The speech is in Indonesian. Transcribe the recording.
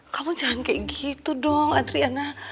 kamu jangan kayak gitu dong adriana